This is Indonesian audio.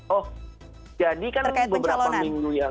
oh jadi kan beberapa minggu ya